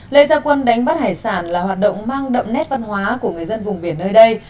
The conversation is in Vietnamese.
lễ gia quân đánh bắt hải sản là hoạt động mang đậm nét văn hóa của người dân vùng biển nơi đây